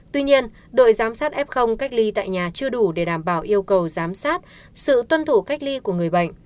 tuy nhiên đội giám sát f cách ly tại nhà chưa đủ để đảm bảo yêu cầu giám sát sự tuân thủ cách ly của người bệnh